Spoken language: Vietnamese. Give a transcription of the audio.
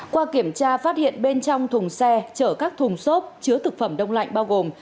qua kiểm tra phát hiện bên trong thùng xe chở các thùng xốp chứa thực phẩm đông lạnh bao gồm